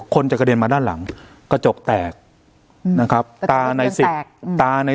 คนจะกระเด็นมาด้านหลังกระจกแตกนะครับตาในสิบตาใน